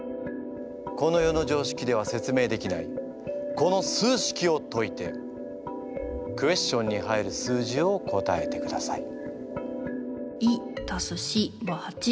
この世のじょうしきでは説明できないこの数式を解いてクエスチョンに入る数字を答えてください。